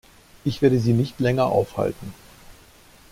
Ich werde Sie nicht länger aufhalten.